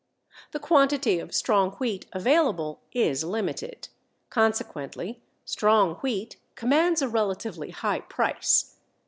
The quantity of strong wheat available is limited. Consequently strong wheat commands a relatively high price.